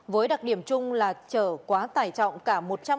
với đặc điểm chung là trở quá tải trọng cả một trăm linh